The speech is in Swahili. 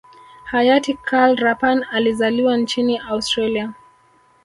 hayati Karl Rapan alizaliwa nchini Australia